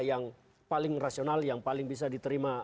yang paling rasional yang paling bisa diterima